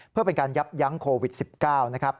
เพื่อเป็นการยับยั้งโควิด๑๙นะครับ